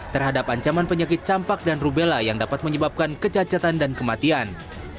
terhadap ancaman penyakit campak dan rubella yang dapat menyebabkan kecacatan dan kematian